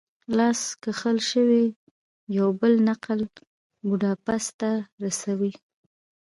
لاس کښل شوی یو بل نقل بوداپست ته رسوي.